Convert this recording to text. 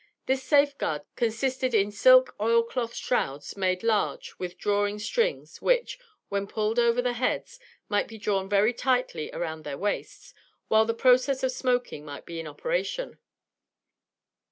This safe guard consisted in silk oil cloth shrouds, made large, with drawing strings, which, when pulled over their heads, might be drawn very tightly around their waists, whilst the process of smoking might be in operation.